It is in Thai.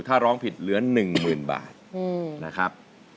ถ้าร้องผิดเหลือ๑๐๐๐บาทนะครับ